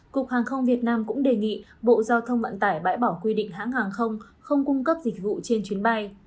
cục hàng không việt nam cũng đề nghị bộ giao thông vận tải bãi bỏ quy định hãng hàng không không cung cấp dịch vụ trên chuyến bay